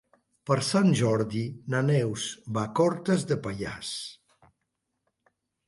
Per Sant Jordi na Neus va a Cortes de Pallars.